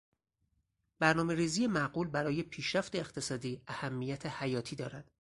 برنامهریزی معقول برای پیشرفت اقتصادی اهمیت حیاتی دارد.